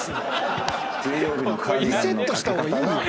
リセットしたほうがいいよ。